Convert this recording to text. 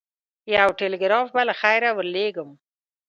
یو ټلګراف به له خیره ورلېږم.